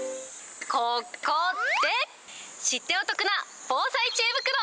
ここで、知ってお得な防災知恵袋。